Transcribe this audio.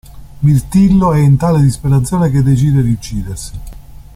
Mirtillo è in tale disperazione che decide di uccidersi.